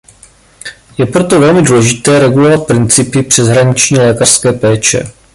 Je proto velmi důležité regulovat principy přeshraniční lékařské péče.